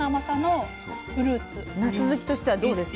なす好きとしてはどうですか？